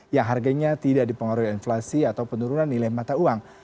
yang harganya tidak dipengaruhi inflasi atau penurunan nilai mata uang